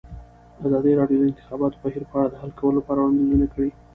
ازادي راډیو د د انتخاباتو بهیر په اړه د حل کولو لپاره وړاندیزونه کړي.